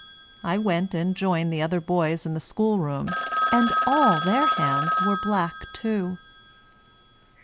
I went and joined the other boys in the schoolroom ; and all their hands were black too.